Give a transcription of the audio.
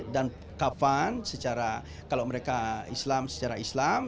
dan kafan secara kalau mereka islam secara islam